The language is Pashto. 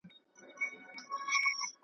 زه تر چا به چیغي یو سم زه تر کومه به رسېږم .